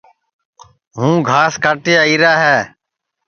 ہوں گھاس کاٹی آئیرا ہے